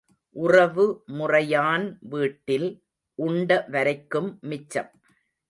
உறவு முறையான் வீட்டில் உண்ட வரைக்கும் மிச்சம்.